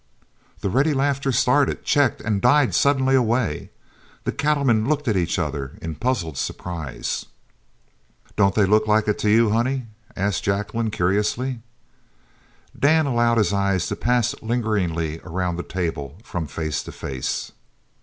The ready laughter started, checked, and died suddenly away. The cattlemen looked at each other in puzzled surprise. "Don't they look like it to you, honey?" asked Jacqueline curiously. Dan allowed his eyes to pass lingeringly around the table from face to face.